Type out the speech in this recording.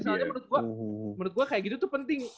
soalnya menurut gue menurut gue kayak gitu tuh penting